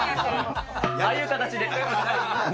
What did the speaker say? ああいう形で。